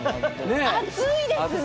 熱いですね！